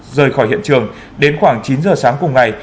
rời khỏi hiện trường đến khoảng chín giờ sáng cùng ngày